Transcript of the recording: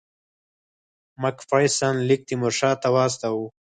مک فیرسن لیک تیمورشاه ته واستاوه.